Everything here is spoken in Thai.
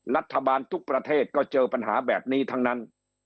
รัฐบาลทุกประเทศก็เจอปัญหาแบบนี้ทั้งนั้น